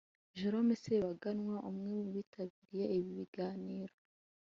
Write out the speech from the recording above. Gillaume Sebaganwa umwe mu bitabiriye ibi biganiro